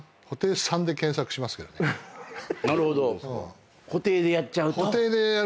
なるほど「布袋」でやっちゃうと。